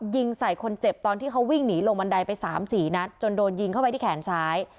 ยิงใส่คนเจ็บตอนที่เขาวิ่งหนีลงบันไดไป๓๔นัดจนโดนยิงเข้าไปที่แขนซ้าย